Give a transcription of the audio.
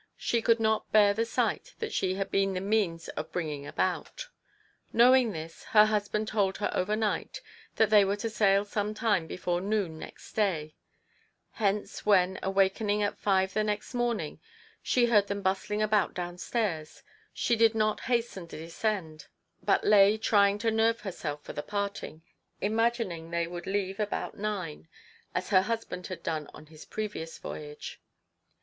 She could not bear the sight that she had been the means of bringing about. Know ing this, her husband told her overnight that they were to sail some time before noon next day ; hence when, awakening at five the next morning, she heard them bustling about down stairs, she did not hasten to descend, but lay try ing to nerve herself for the parting, imagining they would leave about nine, as her husband had done on his previous voyage.